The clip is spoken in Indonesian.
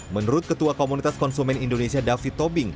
menurut ketua komunitas konsumen indonesia david tobing